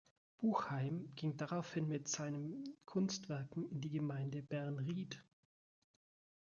Buchheim ging daraufhin mit seinen Kunstwerken in die Gemeinde Bernried.